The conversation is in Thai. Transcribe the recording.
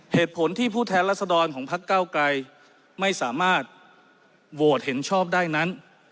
เหตุผลที่ผู้แทนรัศดรของพักเก้าไกรไม่สามารถโหวตเห็นชอบได้นั้น